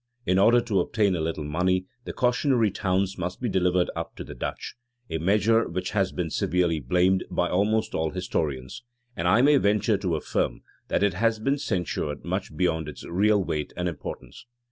In order to obtain a little money, the cautionary towns must be delivered up to the Dutch; a measure which has been severely blamed by almost all historians; and I may venture to affirm, that it has been censured much beyond its real weight and importance.